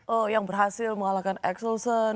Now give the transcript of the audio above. oh yang berhasil mengalahkan exelsen